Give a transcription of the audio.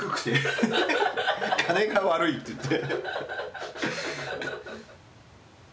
「金が悪い」って言って。